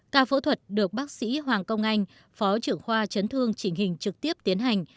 ca phẫu thuật được bác sĩ hoàng công anh phó trưởng khoa chấn thương chỉnh hình trực tiếp tiến hành